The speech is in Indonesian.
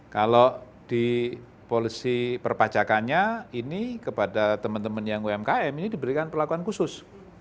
kalau di polisi perpajakannya ini kepada teman teman yang umkm ini diberikan perlakuan khusus